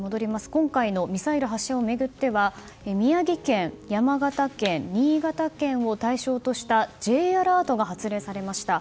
今回のミサイル発射を巡っては宮城県、山形県、新潟県を対象としたＪアラートが発令されました。